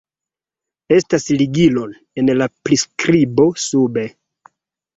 Estas ligilon en la priskribo sube